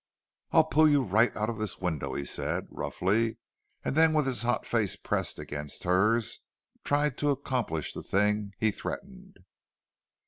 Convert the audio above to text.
"I'll pull you right out of this window," he said, roughly, and then with his hot face pressed against hers tried to accomplish the thing he threatened.